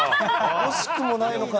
惜しくもないのか。